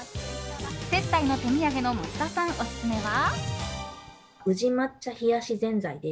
接待の手土産の松田さんオススメは。